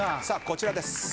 さあこちらです。